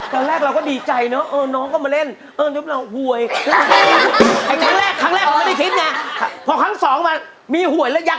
ถ้าหากว่ามันจะซวยให้มันซวยไปด้วยกัน